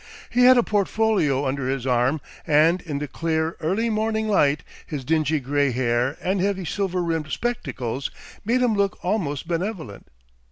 He had a portfolio under his arm, and in the clear, early morning light his dingy grey hair and heavy, silver rimmed spectacles made him look almost benevolent.